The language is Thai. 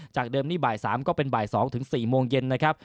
จากเดิมนี่บ่าย๓ก็เป็นบ่าย๒ถึง๔โมงเย็นนะครับ